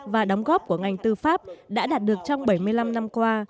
và đóng góp của ngành tư pháp đã đạt được trong bảy mươi năm năm qua